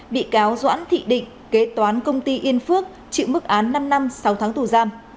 bị cáo doãn thị định kế toán công ty yên phước chịu mức án năm năm sáu tháng